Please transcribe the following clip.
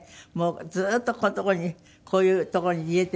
ずっとここの所にこういう所に入れてね